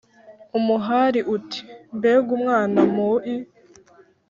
umuhari uti ” mbega mwana mui